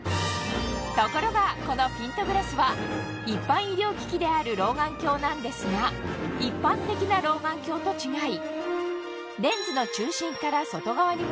ところがこのピントグラスはである老眼鏡なんですが一般的な老眼鏡と違い